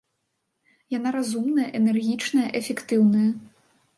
Яна разумная, энергічная, эфектыўная.